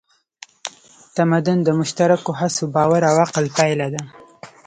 تمدن د مشترکو هڅو، باور او عقل پایله ده.